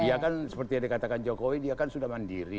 ya kan seperti yang dikatakan jokowi dia kan sudah mandiri